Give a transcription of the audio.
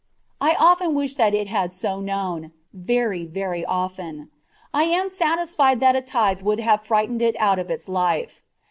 I often wish that it had so known very, very often. I am satisfied that a tithe would have frightened it out of its life.